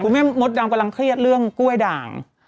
แม่มดดำกำลังเครียดเรื่องกล้วยด่าง